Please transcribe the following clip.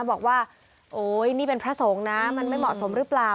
บอกว่าโอ๊ยนี่เป็นพระสงฆ์นะมันไม่เหมาะสมหรือเปล่า